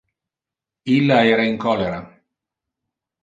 Illa era in cholera.